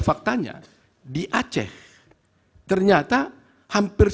dan saya ingin mengatakan bahwa